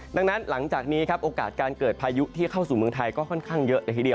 ดังนั้นหลังจากนี้โอกาสไปเดินข้างเช่าสู่เมืองไทยก็ค่อนข้างเยอะ